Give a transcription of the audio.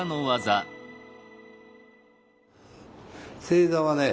正座はね